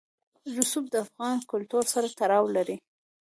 رسوب د افغان کلتور سره تړاو لري.